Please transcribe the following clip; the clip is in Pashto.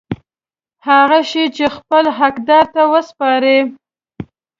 هغه شی خپل حقدار ته وسپاري.